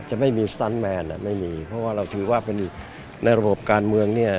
จะไม่มีสตันแมนไม่มีเพราะว่าเราถือว่าเป็นในระบบการเมืองเนี่ย